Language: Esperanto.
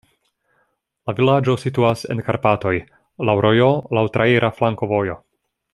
La vilaĝo situas en Karpatoj, laŭ rojo, laŭ traira flankovojo.